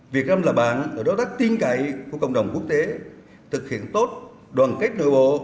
việc làm là bản và đối tác tin cậy của cộng đồng quốc tế thực hiện tốt đoàn kết nội bộ